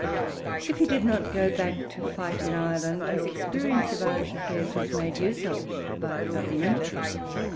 If he did not go back to fight in Ireland, his experience of Irish affairs was made use of by the Government.